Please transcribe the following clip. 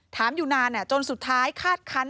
ถามอยู่นานจนสุดท้ายคาดคัน